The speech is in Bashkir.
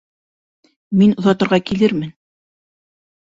Мин оҙатырға килермен